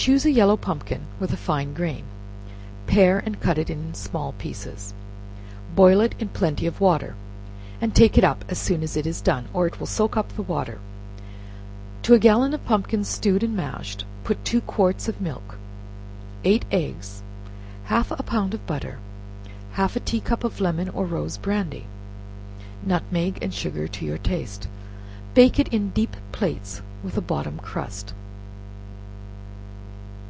Choose a yellow pumpkin, with a fine grain, pare and cut it in small pieces, boil it in plenty of water, and take it up as soon as it is done, or it will soak up the water; to a gallon of pumpkin, stewed and mashed, put two quarts of milk, eight eggs, half a pound of butter, half a tea cup of lemon or rose brandy; nutmeg and sugar to your taste; bake it in deep plates, with a bottom crust.